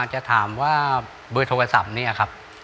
จะถามว่าบลิเวณโทรศัพท์นี่ครับ